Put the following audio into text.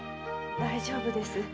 大丈夫です。